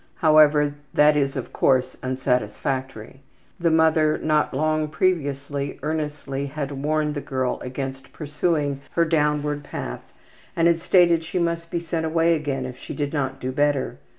However, that is, of course, unsatisfactory. The mother not long previously earnestly had warned the girl against pursuing her downward path and had stated she must be sent away again if she did not do better.